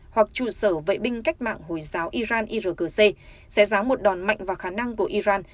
hoặc trụ sở vệ binh cách mạng hồi giáo iran irgc sẽ ráng một đòn mạnh vào khả năng của iran